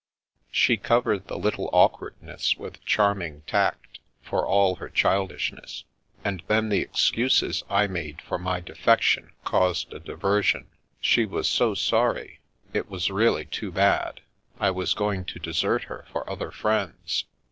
She covered the little awkwardness with charming tact, for all her childishness; and then the excuses I made for my defection caused a diversion. She was so sorry; it was really too bad. I was going to desert her for other friends.